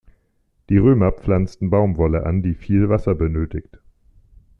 Die Römer pflanzten Baumwolle an, die viel Wasser benötigt.